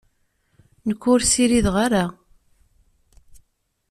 Nekk ur ssirideɣ ara.